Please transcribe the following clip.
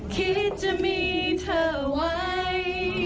คิดจะมีเธอไว้